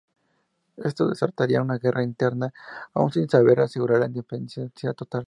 Esto desataría una guerra interna aún sin haber asegurado la independencia total.